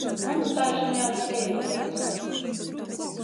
Mums taišni jauns pīvadums!